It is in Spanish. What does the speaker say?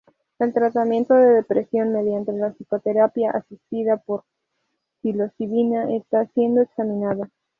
El tratamiento de depresión mediante la psicoterapia asistida por psilocibina está siendo examinado.